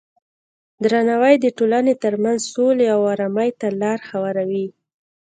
درناوی د ټولنې ترمنځ سولې او ارامۍ ته لاره هواروي.